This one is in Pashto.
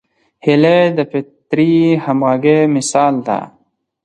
هیلۍ د فطري همغږۍ مثال ده